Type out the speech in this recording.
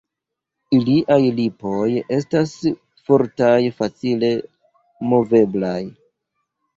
Iliaj lipoj estas fortaj, facile moveblaj.